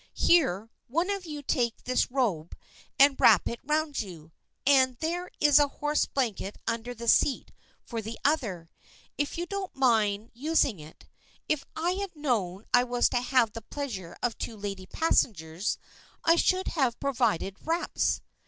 " Here, one of you take this robe and wrap it round you, and there is a horse blanket under the seat for the other, if you don't mind us ing it. If I had known I was to have the pleasure of two lady passengers I should have provided wraps."